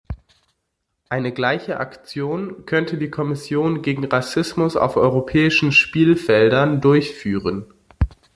Eine gleiche Aktion könnte die Kommission gegen Rassismus auf europäischen Spielfeldern durchführen.